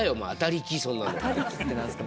あたりきって何すか？